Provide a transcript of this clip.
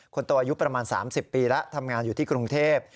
คนโตอายุประมาณ๓๐ปีแล้วทำงานอยู่ที่กรุงเทพ